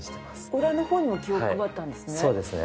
裏の方にも気を配ったんですね。